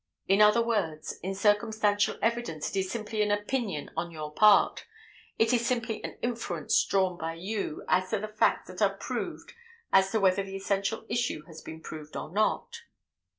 In other words, in circumstantial evidence it is simply an opinion on your part, it is simply an inference drawn by you as to the facts that are proved as to whether the essential issue has been proved or not."